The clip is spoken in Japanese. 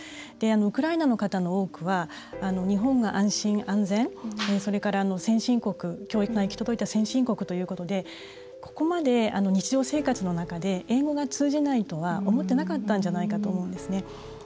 ウクライナの方の多くは日本が安心・安全それから教育が行き届いた先進国ということでここまで日常生活の中で英語が通じないとは思ってなかったんじゃないかと思うんですね。